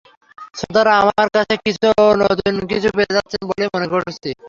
শ্রোতারা আমার কাছ থেকে নতুন কিছু পেতে যাচ্ছেন বলেই মনে করছি।